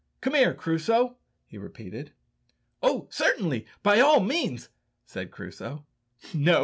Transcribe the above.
"Come here, Crusoe," he repeated. "Oh! certainly, by all means," said Crusoe no!